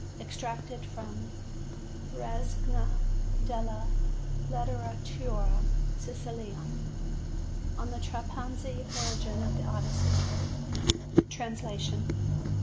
Extracted from the Rassegna della Letteratura Siciliana. "On the Trapanese Origin of the Odyssey" (Translation).